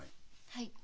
はい。